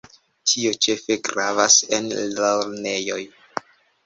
Tio ĉefe gravas en lernejoj.